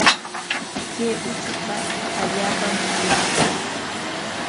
Kay uchuqa allaapam ayaykun.